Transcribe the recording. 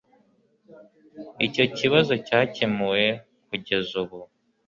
Icyo kibazo cyakemuwe kugeza ubu